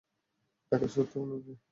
টাকার সুদ ও নিবে!